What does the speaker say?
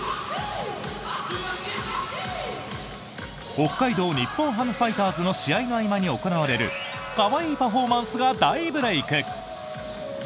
北海道日本ハムファイターズの試合の合間に行われる可愛いパフォーマンスが大ブレーク。